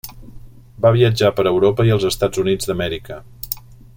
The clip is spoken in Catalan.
Va viatjar per Europa i els Estats Units d'Amèrica.